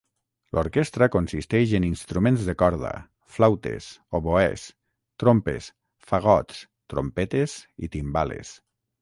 L'orquestra consisteix en instruments de corda, flautes, oboès, trompes, fagots, trompetes i timbales.